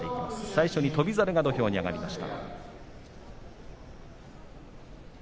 最初に翔猿が土俵に上がります。